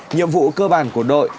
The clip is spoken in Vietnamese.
nhiệm vụ cơ bản của đội